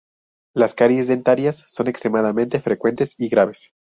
Las caries dentarias son extremadamente frecuentes y graves.